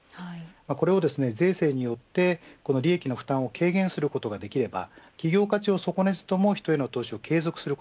これが税制によって利益の負担を軽減することができれば企業価値を損なわずとも人への価値を継続できる。